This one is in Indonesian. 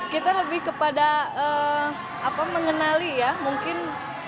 kita lebih kepada mengenali ya mungkin